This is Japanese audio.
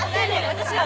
私は？